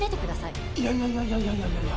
「いやいやいやいや」